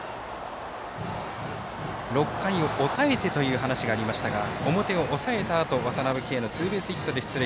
６回を抑えてという話がありましたが表を抑えたあと、渡辺憩のツーベースヒットで出塁。